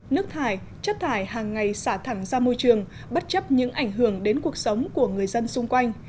nước thải chất thải hàng ngày xả thẳng ra môi trường bất chấp những ảnh hưởng đến cuộc sống của người dân xung quanh